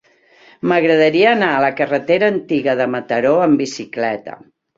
M'agradaria anar a la carretera Antiga de Mataró amb bicicleta.